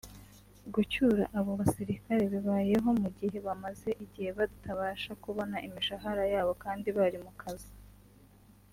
Gucyura abo basirikare bibayeho mu gihe bamaze igihe batabasha kubona imishahara yabo kandi bari mu kazi